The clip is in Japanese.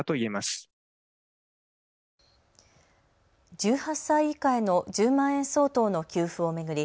１８歳以下への１０万円相当の給付を巡り